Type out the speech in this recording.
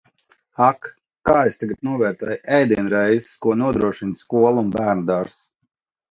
Ak, kā es tagad novērtēju ēdienreizes, ko nodrošina skola un bērnudārzs!